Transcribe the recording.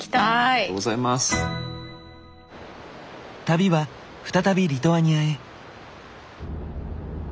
旅は再びリトアニアへ。